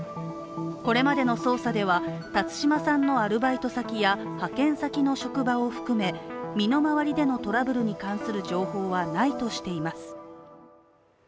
これまでの捜査では、辰島さんのアルバイト先や派遣先の職場を含め身の周りでのトラブルに関する情報はないとしています。